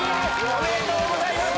おめでとうございます！